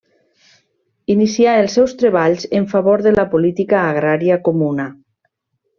Inicià els seus treballs en favor de la política agrària comuna.